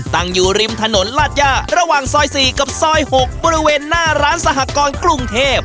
ตั้งอยู่ริมถนนลาดย่าระหว่างซอย๔กับซอย๖บริเวณหน้าร้านสหกรกรุงเทพ